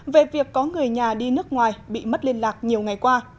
về việc có người nhà đi nước ngoài bị mất liên lạc nhiều ngày qua